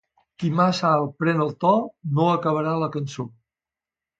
Qui massa alt pren el to, no acabarà la cançó.